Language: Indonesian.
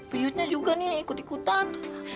vietna juga nih ikut ikutan